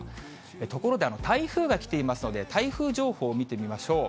ところで、台風が来ていますので、台風情報を見てみましょう。